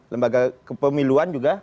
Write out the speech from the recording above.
lembaga pemiluan juga